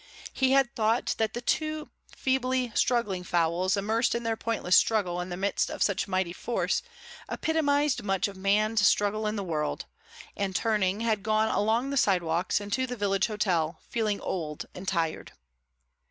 He had thought that the two feebly struggling fowls, immersed in their pointless struggle in the midst of such mighty force, epitomised much of man's struggle in the world, and, turning, had gone along the sidewalks and to the village hotel, feeling old and tired.